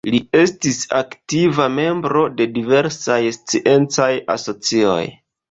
Li estis aktiva membro de diversaj sciencaj asocioj.